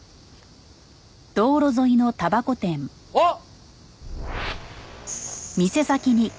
あっ！